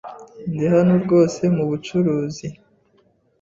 Ndi hano rwose mubucuruzi.